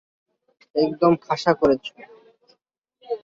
একদম খাসা করেছ!